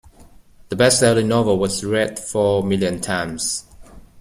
The bestselling novel was read four million times.